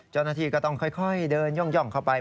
เจ้าหน้าที่ก็ต้องค่อยเดินย่องเข้าไป